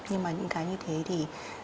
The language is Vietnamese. nhưng mà những cái như thế thì